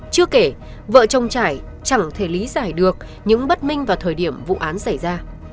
chưa kể vợ chồng trải chẳng thể lý giải được những bất minh vào thời điểm vụ án xảy ra